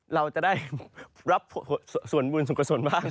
เราจะได้รับส่วนบุญส่วนกษลบ้าง